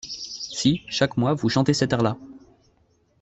Si, chaque mois, vous chantez cet air-là!